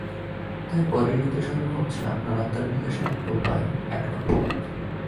তাই পরের হিতসাধন হচ্ছে আপনার আত্মার বিকাশের একটা উপায়, একটা পথ।